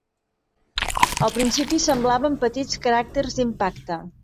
Al principi semblaven petits caràcters d'impacte.